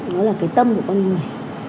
nó là cái tâm của con người